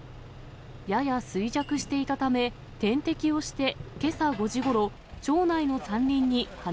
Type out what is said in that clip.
やや衰弱していたため、点滴をしてけさ５時ごろ、町内の山林に放